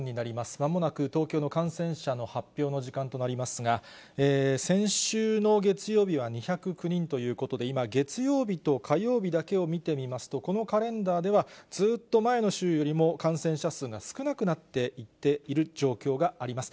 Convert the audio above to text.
まもなく東京の感染者の発表の時間となりますが、先週の月曜日は２０９人ということで、今、月曜日と火曜日だけを見てみますと、このカレンダーでは、ずっと前の週よりも感染者数が少なくなっている状況があります。